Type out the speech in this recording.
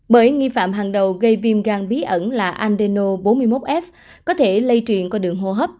bởi nghi phạm hàng đầu gây viêm gan bí ẩn là amdeno bốn mươi một f có thể lây truyền qua đường hô hấp